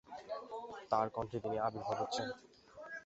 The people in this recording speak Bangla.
তার কণ্ঠে তিনি আবির্ভাব হচ্ছেন।